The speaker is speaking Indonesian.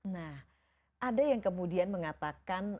nah ada yang kemudian mengatakan